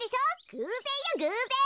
ぐうぜんよぐうぜん。